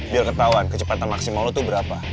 biar ketahuan kecepatan maksimal lo tuh berapa